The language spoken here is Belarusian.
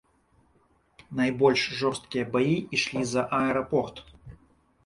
Найбольш жорсткія баі ішлі за аэрапорт.